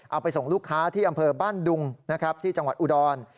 เอาไปส่งลูกค้าที่อำเภอบ้านดุงนะครับที่จังหวัดอุดร